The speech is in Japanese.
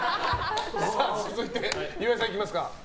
続いて、岩井さん行きますか。